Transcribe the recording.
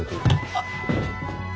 あっ。